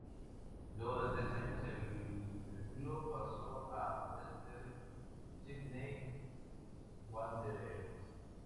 Luego de tres años en el club, pasó al Western Sydney Wanderers.